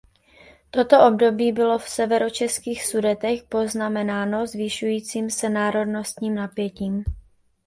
Toto období bylo v severočeských Sudetech poznamenáno zvyšujícím se národnostním napětím.